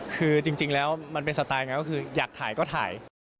คือจริงแล้วมันเป็นสไตล์ไงก็คืออยากถ่ายก็ถ่าย